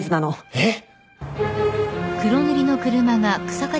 えっ！？